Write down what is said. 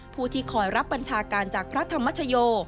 ผู้ที่คอยรับบัญชาการจากพระธรรมชโย